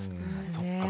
そっか。